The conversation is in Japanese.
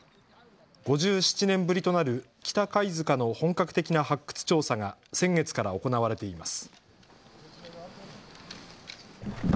５７年ぶりとなる北貝塚の本格的な発掘調査が先月から行われています。